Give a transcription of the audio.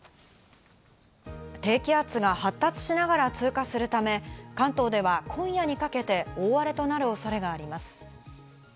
低気圧が発達しながら通過するため、関東では今夜にかけて大荒れとなる恐れがあります。